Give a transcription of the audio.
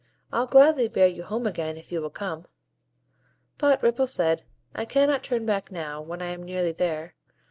I'll gladly bear you home again, if you will come." But Ripple said, "I cannot turn back now, when I am nearly there.